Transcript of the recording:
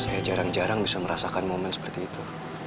saya jarang jarang bisa merasakan momen seperti itu